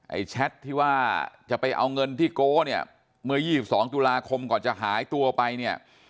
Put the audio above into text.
แชทที่ว่าจะไปเอาเงินที่โก๊เนี่ยเมื่อ๒๒ตุลาคมก่อนจะหายตัวไปเนี่ย